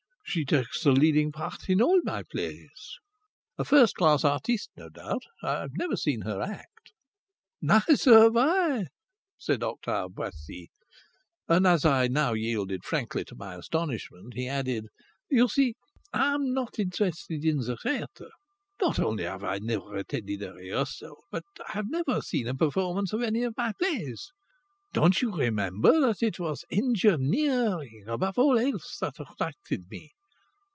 "She takes the leading part in all my plays," said he. "A first class artiste, no doubt? I've never seen her act." "Neither have I!" said Octave Boissy. And as I now yielded frankly to my astonishment, he added: "You see, I am not interested in the theatre. Not only have I never attended a rehearsal, but I have never seen a performance of any of my plays. Don't you remember that it was engineering, above all else, that attracted me?